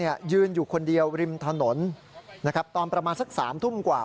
ยืนอยู่คนเดียวริมถนนนะครับตอนประมาณสัก๓ทุ่มกว่า